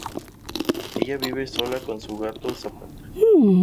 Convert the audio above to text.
Ella vive sola con su gato Zapata.